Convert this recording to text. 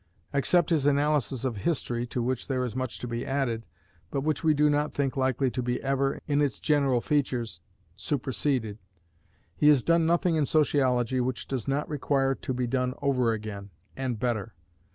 Except his analysis of history, to which there is much to be added, but which we do not think likely to be ever, in its general features, superseded, he has done nothing in Sociology which does not require to be done over again, and better.